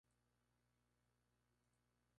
Cerca de ella hay varias rompientes.